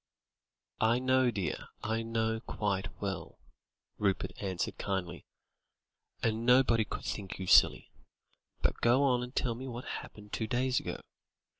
"I know, dear; I know quite well," Rupert answered kindly; "and nobody could think you silly. But go on and tell me what happened two days ago.